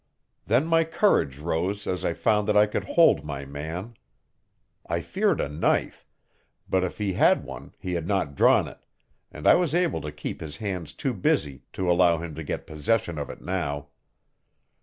Then my courage rose as I found that I could hold my man. I feared a knife, but if he had one he had not drawn it, and I was able to keep his hands too busy to allow him to get possession of it now.